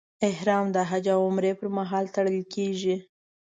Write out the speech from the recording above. احرام د حج او عمرې پر مهال تړل کېږي.